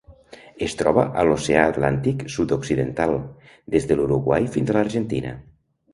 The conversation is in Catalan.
Es troba a l'Oceà Atlàntic sud-occidental: des de l'Uruguai fins a l'Argentina.